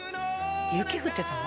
「雪降ってたの？」